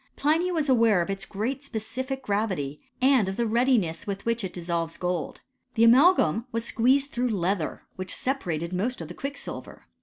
Pliny was aware of its great specific gravity, and of the readiness with which it dissolves gold. The amalgam was squeezed through leather, which separated most of the quicksilver.